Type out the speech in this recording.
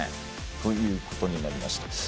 ということになりました。